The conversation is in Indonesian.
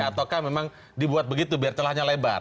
ataukah memang dibuat begitu biar celahnya lebar